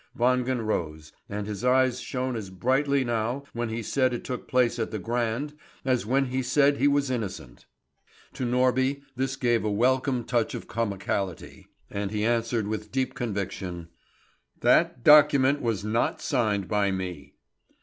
Wangen rose, and his eyes shone as brightly now when he said it took place at the Grand as when he said he was innocent. To Norby this gave a welcome touch of comicality, and he answered with deep conviction: "That document was not signed by me."